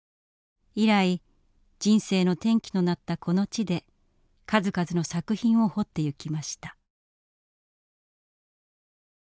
以来人生の転機となったこの地で数々の作品を彫ってゆきました。